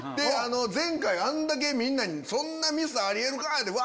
前回あんだけみんなに「そんなミスあり得るか！」ってワ！